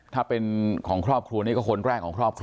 ถ้าเป็นของครอบครัวนี้ก็คนแรกของครอบครัว